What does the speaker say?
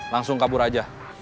langsung kabur aja